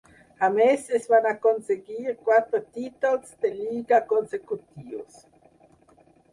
A més, es van aconseguir quatre títols de lliga consecutius.